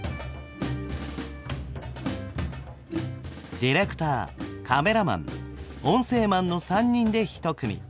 ディレクターカメラマン音声マンの３人で１組。